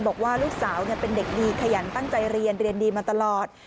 บอกว่าลูกสาวเป็นเด็กดีขยันตั้งใจเรียนเรียนดีมาตลอด